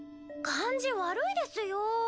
感じ悪いですよ。